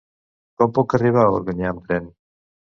Com puc arribar a Organyà amb tren?